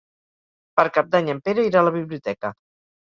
Per Cap d'Any en Pere irà a la biblioteca.